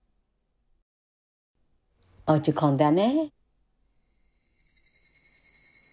落ち込んだね。